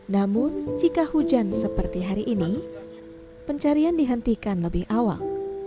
namun jika hujan seperti hari ini pencarian dihentikan lebih awal